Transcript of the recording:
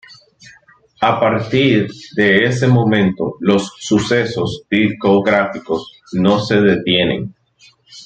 A partir de ese momento, los sucesos discográficos no se detienen.